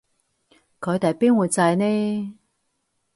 佢哋邊會䎺呢